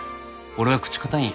俺は口堅いんや。